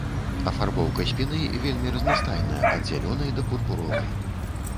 Афарбоўка спіны вельмі разнастайная, ад зялёнай, да пурпуровай.